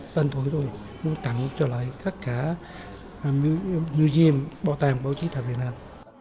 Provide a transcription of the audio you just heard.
tân thổi tôi muốn tặng cho lại tất cả museum bảo tàng báo chí việt nam